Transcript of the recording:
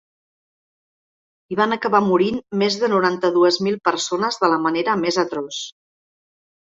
Hi van acabar morint més de noranta-dues mil persones de la manera més atroç.